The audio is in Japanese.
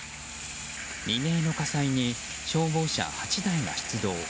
未明の火災に消防車８台が出動。